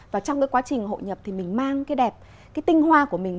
và trong cái quá trình hội nhập thì mình mang cái đẹp cái tinh hoa của mình